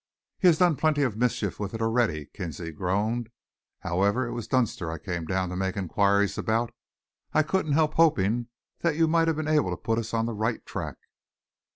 "He has done plenty of mischief with it already," Kinsley groaned. "However, it was Dunster I came down to make enquiries about. I couldn't help hoping that you might have been able to put us on the right track."